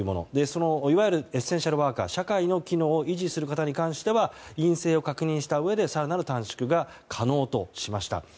いわゆるエッセンシャルワーカー社会の機能を維持する方に関しては陰性を確認したうえで更なる短縮が可能としました。